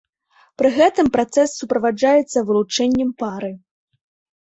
Пры гэтым працэс суправаджаецца вылучэннем пары.